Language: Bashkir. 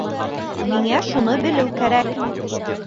Миңә шуны белеү кәрәк.